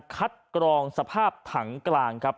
กรองสภาพถังกลางครับ